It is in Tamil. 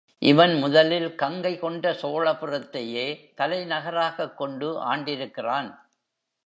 இவன் முதலில் கங்கை கொண்ட சோழபுரத்தையே தலை நகராகக் கொண்டு ஆண்டிருக்கிறான்.